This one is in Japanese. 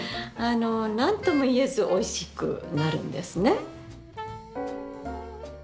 何とも言えずおいしくなるんですね。